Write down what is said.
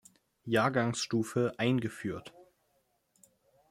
Jahrgangsstufe eingeführt.